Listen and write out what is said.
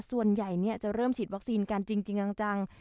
ส่วนใหญ่เนี้ยจะเริ่มฉีดวัคซีนกันจริงจริงจังจัง